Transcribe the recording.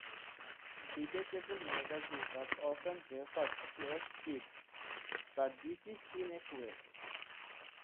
Detachable magazines are often referred to as clips, but this is inaccurate.